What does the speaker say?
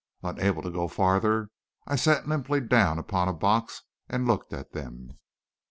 Unable to go farther, I sat limply down upon a box and looked at them.